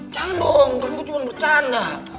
jangan dong gue cuma bercanda